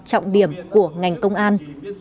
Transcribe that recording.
trọng điểm của ngành công an